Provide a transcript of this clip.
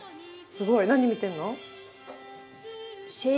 すごい、何見てんの？